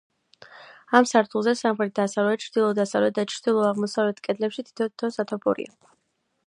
ამ სართულზე სამხრეთ-დასავლეთ, ჩრდილო-დასავლეთ და ჩრდილო-აღმოსავლეთ კედლებში თითო სათოფურია.